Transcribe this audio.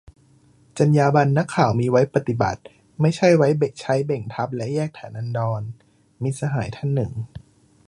"จรรยาบรรณนักข่าวมีไว้ปฏิบัติ ไม่ใช่ใช้เบ่งทับและแยกฐานันดร" - มิตรสหายท่านหนึ่ง